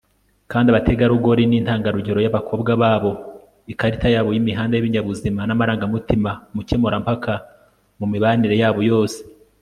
kandi abategarugori ni intangarugero y'abakobwa babo, ikarita yabo y'imihanda y'ibinyabuzima n'amarangamutima, umukemurampaka mu mibanire yabo yose